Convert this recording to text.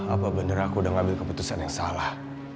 apa bener aku udah ngambil keputusan yang salah